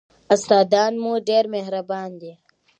استادان مو ډېر مهربان دي.